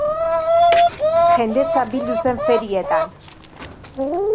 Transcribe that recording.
Jendetza bildu zen ferietan.